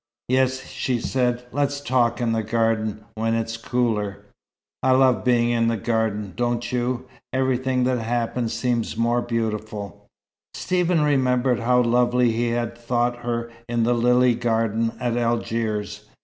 "Yes," she said, "let's talk in the garden, when it's cooler. I love being in gardens, don't you? Everything that happens seems more beautiful." Stephen remembered how lovely he had thought her in the lily garden at Algiers.